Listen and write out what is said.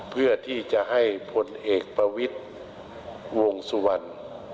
เพื่อที่จะให้พลเอกประวิทย์วงสุวรรณ